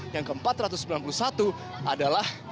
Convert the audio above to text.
yang ke empat ratus sembilan puluh satu adalah